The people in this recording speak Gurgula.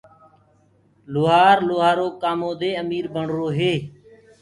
لوهآر لوهآرو ڪآمو دي امير بڻروئي